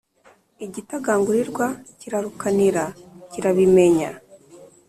igitagangurirwa kirarukanira kirabimenya